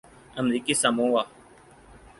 امریکی ساموآ